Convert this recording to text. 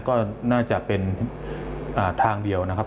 ก็น่าจะเป็นทางเดียวนะครับ